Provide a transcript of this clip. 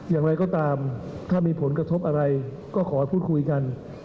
อย่างไรก็ตามถ้ามีผลกระทบอะไรก็ขอให้พูดคุยกัน